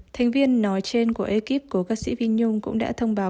thành viên nói trên của ekip của ca sĩ vinh nhung cũng đã thông báo